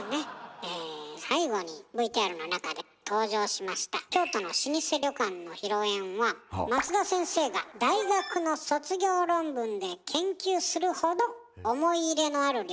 え最後にＶＴＲの中で登場しました京都の老舗旅館の広縁は松田先生が大学の卒業論文で研究するほど思い入れのある旅館だそうです。